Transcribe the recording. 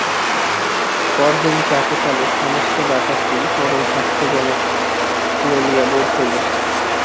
পরদিন প্রাতঃকালে সমস্ত ব্যাপারটি পরম হাস্যজনক বলিয়া বোধ হইল।